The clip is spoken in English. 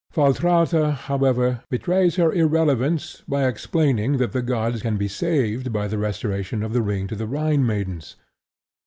Valtrauta, however, betrays her irrelevance by explaining that the gods can be saved by the restoration of the ring to the Rhine maidens.